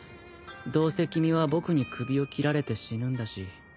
どうせ君は僕に首を斬られて死ぬんだし。